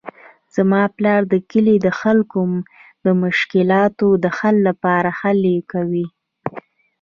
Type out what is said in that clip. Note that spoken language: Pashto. زما پلار د کلي د خلکو د مشکلاتو د حل لپاره هلې کوي